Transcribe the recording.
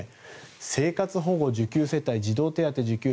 生活保護受給世帯児童手当受給